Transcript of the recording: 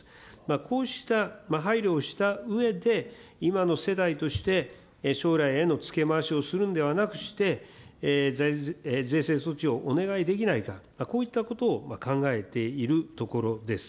こうした配慮をしたうえで、今の世代として、将来への付け回しをするのではなくして、税制措置をお願いできないか、こういったことを考えているところです。